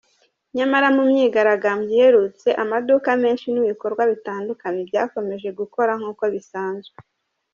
Nyamara mu myigaragambyo iherutse amaduka menshi n’ibikorwa bitandukanye byakomeje gukora nk’uko bisanzwe.